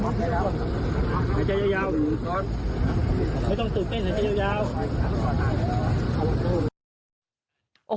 ไม่เป็นโรค